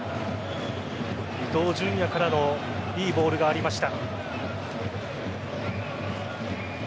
伊東純也からのいいボールがありました。